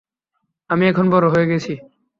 আমি এখন বড় হয়ে গেছি।